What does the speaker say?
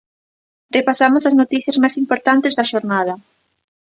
Repasamos as noticias máis importantes da xornada.